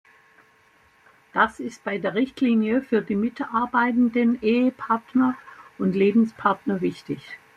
Das ist bei der Richtlinie für die mitarbeitenden Ehepartner und Lebenspartner wichtig.